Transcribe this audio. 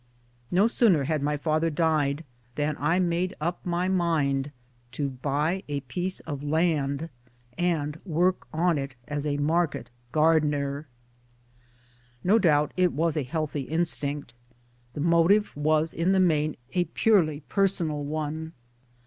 No sooner had my father died than I made up my mind to buy a piece of land and work on it as a market gardener. No doubt it was a healthy instinct. The motive was in the main a purely personal one.